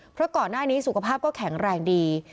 เพราะก่อนหน้านี้สุขภาพก็แข็งแรงดี